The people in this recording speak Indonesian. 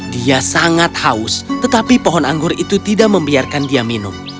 dia sangat haus tetapi pohon anggur itu tidak membiarkan dia minum